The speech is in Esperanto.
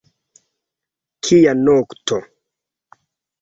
Kia nokto!